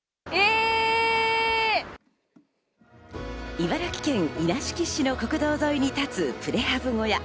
茨城県稲敷市の国道沿いに建つプレハブ小屋。